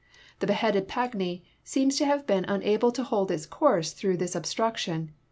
The beheaded Pagny seems to have been unable to hold its course through this obstruction.